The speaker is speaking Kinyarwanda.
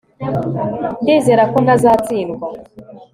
ndizera ko ntazatsindwa